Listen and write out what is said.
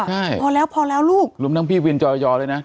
ใช่พอแล้วพอแล้วลูกรวมทั้งพี่วินจอยอด้วยนะ